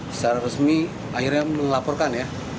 secara resmi akhirnya melaporkan ya